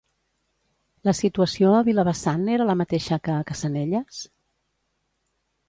La situació a Vilavessant era la mateixa que a Cassanelles?